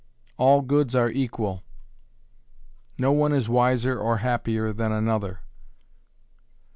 "All goods are equal". "No one is wiser or happier than another".